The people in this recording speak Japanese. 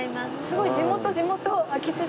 すごい地元地元！